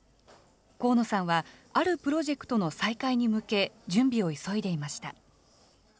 河野さんは、あるプロジェクトの再開に向け、準備を急いでいました。